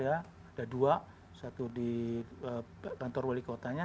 ada dua satu di kantor wali kotanya